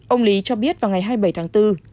ông lý cho biết vào ngày hai mươi bảy tháng bốn